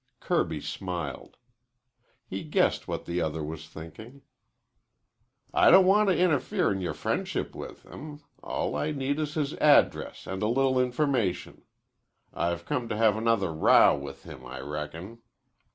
Kirby smiled. He guessed what the other was thinking. "I don't want to interfere in your friendship with him. All I need is his address and a little information. I've come to have another row with him, I reckon."